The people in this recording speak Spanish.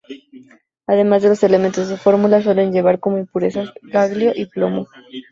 Además de los elementos de su fórmula, suele llevar como impurezas: galio y plomo.